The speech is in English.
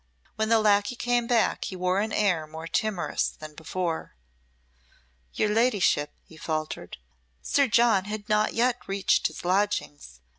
When the lacquey came back he wore an air more timorous than before. "Your ladyship," he faltered, "Sir John had not yet reached his lodgings.